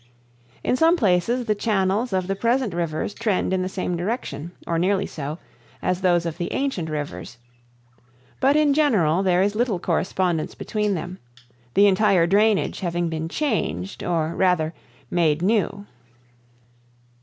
In some places the channels of the present rivers trend in the same direction, or nearly so, as those of the ancient rivers; but, in general, there is little correspondence between them, the entire drainage having been changed, or, rather, made new.